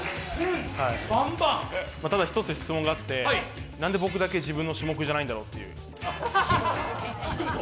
ただ一つ質問があって、なんで僕だけ自分の種目じゃないんだろうって。